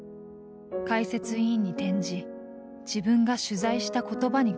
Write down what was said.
解説委員に転じ自分が取材した言葉にこだわった。